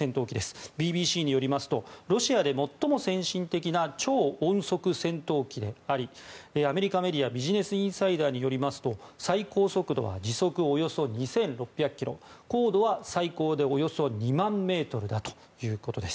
ＢＢＣによりますとロシアで最も先進的な超音速戦闘機でありアメリカメディアのビジネスインサイダーによりますと最高速度は時速およそ２６００キロ高度は最高でおよそ２万ｍだということです。